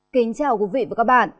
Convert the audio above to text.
kính chào quý vị và các bạn